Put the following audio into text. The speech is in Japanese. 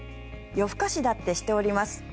夜更かしだってしております。